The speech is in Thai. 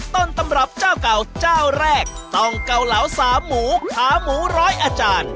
ต้นตำรับเจ้าเก่าเจ้าแรกต้องเกาเหลาสามหมูขาหมูร้อยอาจารย์